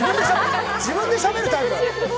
自分でしゃべるタイプ。